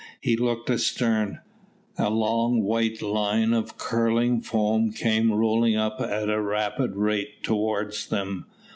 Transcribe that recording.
He looked astern. A long white line of curling foam came rolling up at a rapid rate towards them.